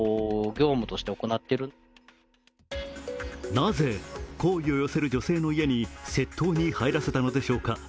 なぜ好意を寄せる女性の家に窃盗に入らせたのでしょうか。